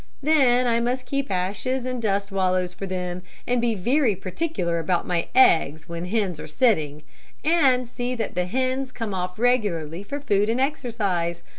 Then I must keep ashes and dust wallows for them and be very particular about my eggs when hens are sitting, and see that the hens come off regularly for food and exercise.